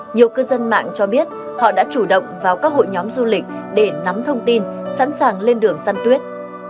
nhiều cư dân mạng cho biết họ đã chủ động vào các hội nhóm du lịch để nắm thông tin sẵn sàng lên đường săn tuyết